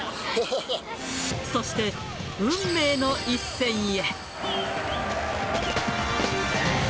そして、運命の一戦へ。